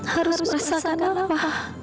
harus merasakan apa